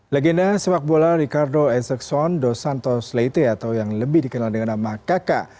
legenda sepak bola ricardo ezexon dos santos leite atau yang lebih dikenal dengan nama kaka